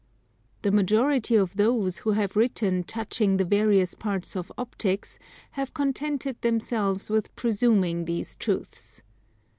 The majority of those who have written touching the various parts of Optics have contented themselves with presuming these truths.